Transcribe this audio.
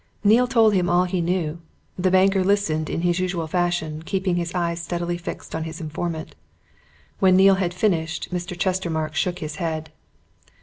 Neale told all he knew: the banker listened in his usual fashion, keeping his eyes steadily fixed on his informant. When Neale had finished, Mr. Chestermarke shook his head.